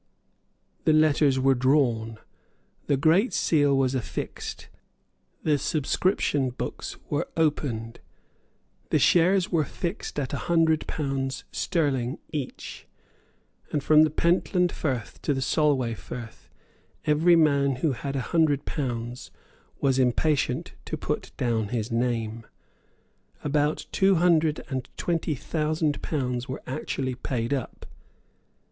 The letters were drawn; the Great Seal was affixed; the subscription books were opened; the shares were fixed at a hundred pounds sterling each; and from the Pentland Firth to the Solway Firth every man who had a hundred pounds was impatient to put down his name. About two hundred and twenty thousand pounds were actually paid up.